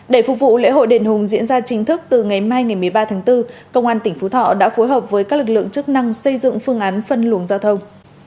để phục vụ lễ hội đền hùng diễn ra chính thức từ ngày mai ngày một mươi ba tháng bốn công an tỉnh phú thọ đã phối hợp với các lực lượng chức năng xây dựng phương án phân luồng giao thông